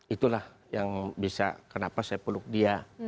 itulah yang bisa kenapa saya peluk dia